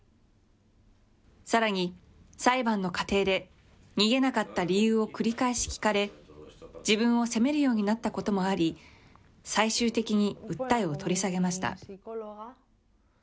さらに、裁判の過程で、逃げなかった理由を繰り返し聞かれ、自分を責めるようになったこともあり、最終的に訴えを取り下げました。